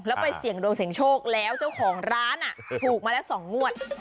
แล้วไปเสี่ยงดวงเสี่ยงโชคแล้วเจ้าของร้านถูกมาแล้ว๒งวด